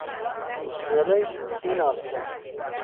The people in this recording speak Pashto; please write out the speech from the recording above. نجلۍ کېناسته.